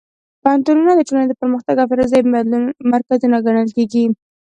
پوهنتونونه د ټولنې د پرمختګ او ښېرازۍ مرکزونه ګڼل کېږي.